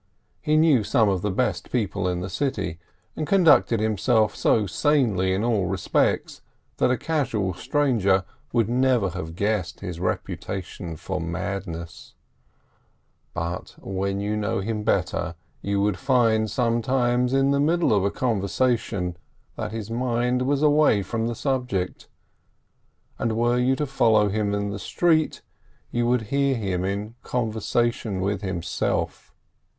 He knew some of the best people in the city, and conducted himself so sanely in all respects that a casual stranger would never have guessed his reputation for madness; but when you knew him better, you would find sometimes in the middle of a conversation that his mind was away from the subject; and were you to follow him in the street, you would hear him in conversation with himself.